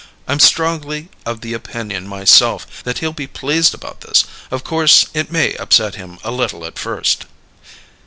I'm strongly of the opinion, myself, that he'll be pleased about this. Of course it may upset him a little at first."